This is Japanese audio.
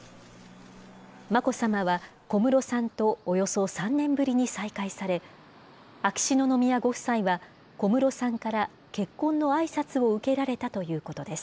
眞子さまは、小室さんとおよそ３年ぶりに再会され、秋篠宮ご夫妻は、小室さんから結婚のあいさつを受けられたということです。